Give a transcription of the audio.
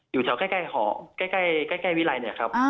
อยู่แถวใกล้หอใกล้วิรัยเนี่ยครับ